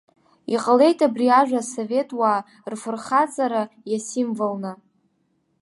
Иҟалеит абри ажәа асовет уаа рфырхаҵара иасимволны.